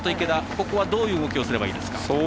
ここはどういう動きをすればいいですか？